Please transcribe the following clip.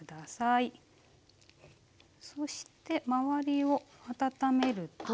そして周りを温めると。